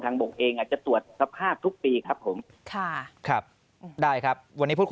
บกเองอาจจะตรวจสภาพทุกปีครับผมค่ะครับได้ครับวันนี้พูดคุย